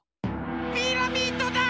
ピラミッドだ！